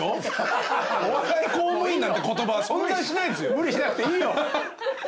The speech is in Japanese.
無理しなくていいよ。